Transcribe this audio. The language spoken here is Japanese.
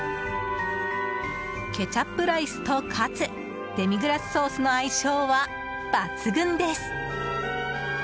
ケチャップライスとカツデミグラスソースの相性は抜群です。